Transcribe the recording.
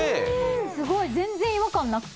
すごい、全然違和感なくて。